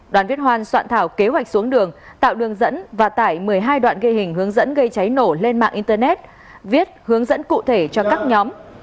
đoàn viết hoan soạn thảo kế hoạch xuống đường tạo đường dẫn và tải một mươi hai đoạn ghi hình hướng dẫn gây cháy nổ lên mạng internet viết hướng dẫn cụ thể cho các nhóm